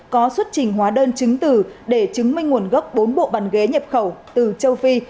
có xuất trình hóa đơn chứng tử để chứng minh nguồn gốc bốn bộ bàn ghế nhập khẩu từ châu phi